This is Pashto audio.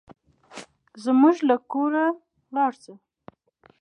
زموږ له کوره لاړ شه.